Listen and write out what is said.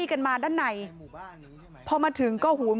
ช่องบ้านต้องช่วยแจ้งเจ้าหน้าที่เพราะว่าโดนฟันแผลเวิกวะค่ะ